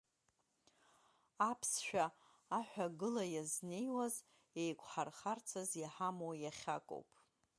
Аԥсшәа аҳәагыла иазнеиуаз, еиқәхарцаз иҳамоу иахьакоуп.